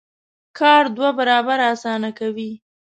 کار دوه برابره اسانه کوي.